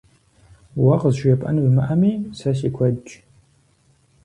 Уэ къызжепӀэн уимыӀэми, сэ си куэдщ.